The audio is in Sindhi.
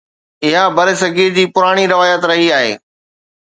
اها برصغير جي پراڻي روايت رهي آهي.